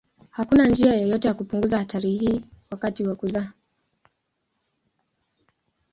Hakuna njia yoyote ya kupunguza hatari hii wakati wa kuzaa.